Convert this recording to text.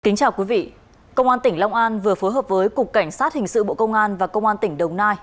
kính chào quý vị công an tỉnh long an vừa phối hợp với cục cảnh sát hình sự bộ công an và công an tỉnh đồng nai